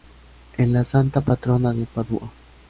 Es la santa patrona de Padua.